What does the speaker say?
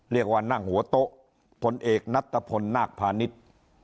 เรียกว่านั่งหัวโต๊ะพลเอกนัตตะพลนาคพาณิชย์